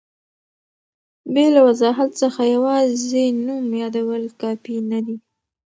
بې له وضاحت څخه یوازي نوم یادول کافي نه دي.